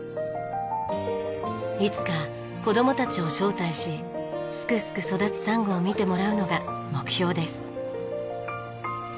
いつか子供たちを招待しすくすく育つサンゴを見てもらうのが目標です。